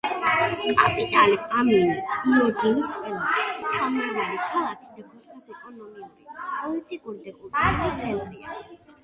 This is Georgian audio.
კაპიტალი ამანი იორდანიის ყველაზე ხალხმრავალი ქალაქი და ქვეყნის ეკონომიკური, პოლიტიკური და კულტურული ცენტრია.